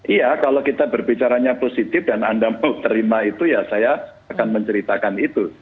iya kalau kita berbicaranya positif dan anda mau terima itu ya saya akan menceritakan itu